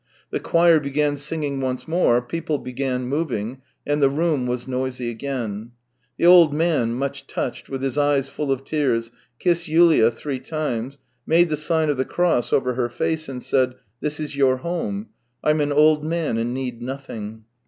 The choir began singing once more, people began moving, and the room was noisy again. The old man, much touched, with his eyes full of tears, kissed Yulia three times, made the sign of the cross over her face, and said: " This is your home. I'm an old man and need nothing."